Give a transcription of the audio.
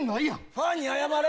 ファンに謝れ！